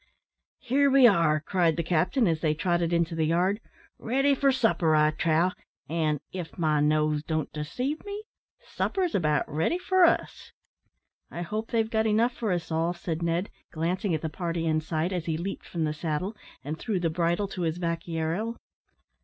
"Here we are," cried the captain, as they trotted into the yard, "ready for supper, I trow; and, if my nose don't deceive me, supper's about ready for us." "I hope they've got enough for us all," said Ned, glancing at the party inside, as he leaped from the saddle, and threw the bridle to his vaquero.